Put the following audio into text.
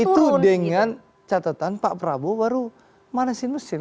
itu dengan catatan pak prabowo baru manasin mesin